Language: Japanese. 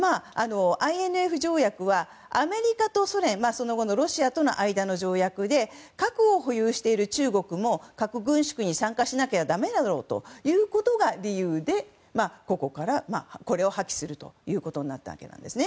ＩＮＦ条約はアメリカとソ連その後のロシアとの間の条約で核を保有している中国も核軍縮に参加しなきゃだめだろうということが理由でここからこれを破棄するということになったわけなんです。